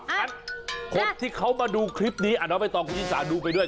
คนที่เขามาดูคลิปนี้ครับตอนคุณสิริสาดูไปด้วย